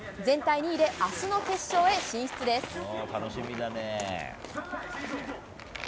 全体２位で明日の決勝へ進出です。